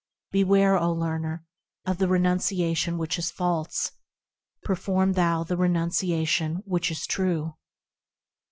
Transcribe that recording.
Beware, O learner ! of the renunciation which is false ; Perform thou the renunciation which is true.